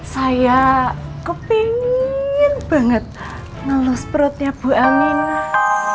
saya kepingin banget ngelus perutnya bu aminah